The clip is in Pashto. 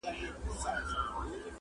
دا غزل مي رندانه او صوفیانه دی،